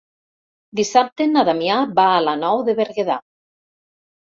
Dissabte na Damià va a la Nou de Berguedà.